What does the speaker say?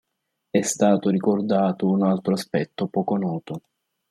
È stato ricordato un altro aspetto poco noto.